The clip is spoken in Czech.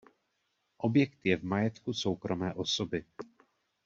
Objekt je v majetku soukromé osoby.